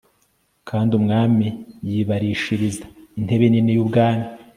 kandi umwami yibarishiriza intebe nini y'ubwami